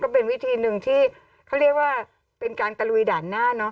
เป็นวิธีหนึ่งที่เขาเรียกว่าเป็นการตะลุยด่านหน้าเนอะ